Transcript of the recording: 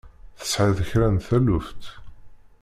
Tesɛiḍ kra n taluft?